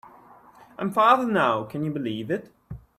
I am father now, can you believe it?